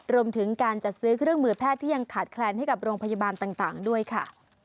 รวมถึงการจัดซื้อเครื่องมือแพทย์ที่ยังขาดแคลนให้กับโรงพยาบาลต่างด้วยค่ะ